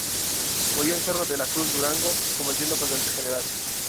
Murió en Cerro de la Cruz, Durango, combatiendo contra el Gral.